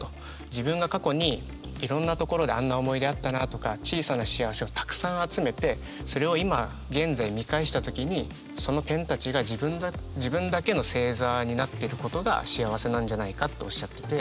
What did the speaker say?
自分が過去にいろんなところであんな思い出あったなとか小さな幸せをたくさん集めてそれを今現在見返した時にその点たちが自分だけの星座になってることが幸せなんじゃないかっておっしゃってて。